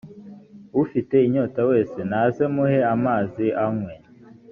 ufite inyota wese naze muhe amazi anywe